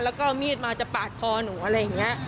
แล้วก็เอามีดมาจะปาดคอหนูอะไรอย่างนี้